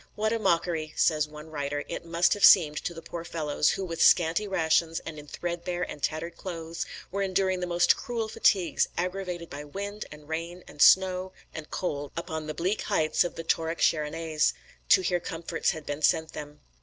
"What a mockery," says one writer, "it must have seemed to the poor fellows, who with scanty rations and in threadbare and tattered clothes, were enduring the most cruel fatigues aggravated by wind and rain and snow and cold upon the bleak heights of the Tauric Chersonese," to hear comforts had been sent them.